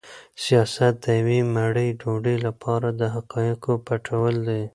سیاست د یوې مړۍ ډوډۍ لپاره د حقایقو پټول دي.